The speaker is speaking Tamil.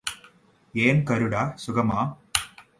ஏன் கருடா சுகமா?